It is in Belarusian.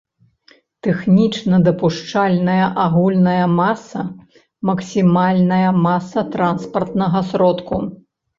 Тэхнічна дапушчальная агульная маса — максімальная маса транспартнага сродку